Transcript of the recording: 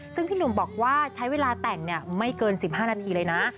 ซึ่งพี่หนุ่มบอกว่าใช้เวลาแต่งไม่เกิน๑๕นาทีเลยนะ